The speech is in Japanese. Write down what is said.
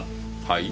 はい？